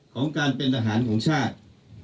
ของการเป็นทหารของชาติ